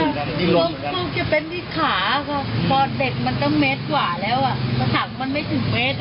สักวันไม่ถึงเมตรอะ